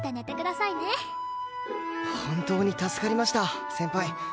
本当に助かりました先輩。